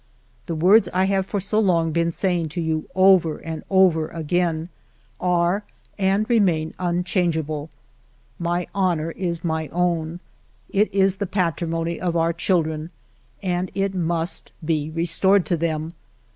" The words I have for so long been saying to you over and over again are and remain unchange able. My honor is my own ; it is the patrimony of our children, and it must be restored to them.